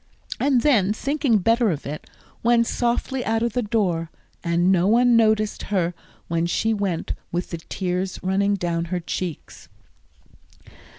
And then, thinking better of it, went softly out of the door, and no one noticed her when she went with the tears running down her cheeks.